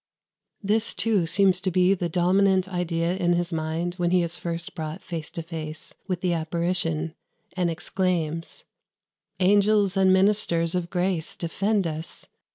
This, too, seems to be the dominant idea in his mind when he is first brought face to face with the apparition and exclaims "Angels and ministers of grace defend us!